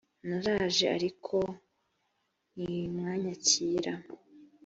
naraje ariko ntimwanyakira